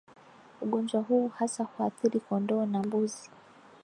Ugonjwa huu hasa huathiri kondoo na mbuzi